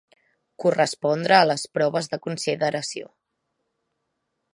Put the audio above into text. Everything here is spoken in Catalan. Correspondre a les proves de consideració.